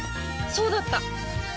そうだった！